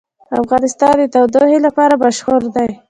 افغانستان د تودوخه لپاره مشهور دی.